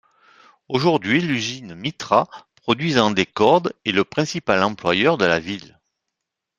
Aujourd'hui l'usine Mitra produisant des cordes est le principal employeur de la ville.